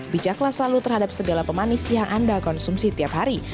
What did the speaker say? bijaklah selalu terhadap segala pemanis yang anda konsumsi tiap hari